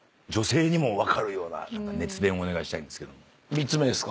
３つ目ですか？